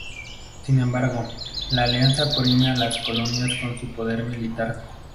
Sin embargo, la alianza oprime a las colonias con su poder militar.